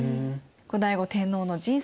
後醍醐天皇の人生